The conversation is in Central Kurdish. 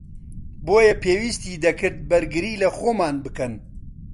بۆیە پێویستی دەکرد بەرگری لەخۆمان بکەن